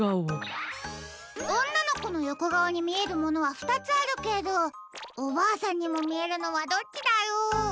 おんなのこのよこがおにみえるものはふたつあるけどおばあさんにもみえるのはどっちだろう？